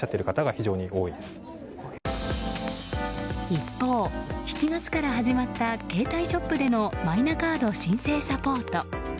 一方、７月から始まった携帯ショップでのマイナカード申請サポート。